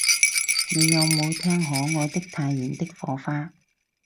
你有無聽可愛的太妍的火花